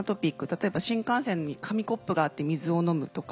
例えば新幹線に紙コップがあって水を飲むとか。